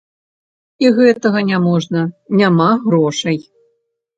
І гэтага не можна, няма грошай.